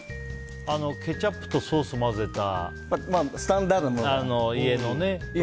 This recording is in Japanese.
ケチャップとソース混ぜたスタンダードなね。